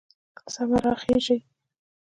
سمه راخېژي